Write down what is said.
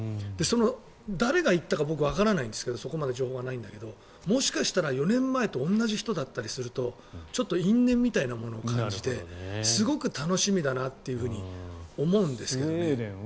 その誰が言ったか僕わからないんですけどそこまで情報はないんだけどもしかしたら４年前と同じ人だったりすると因縁みたいなものを感じてすごく楽しみだなと思うんですけどね。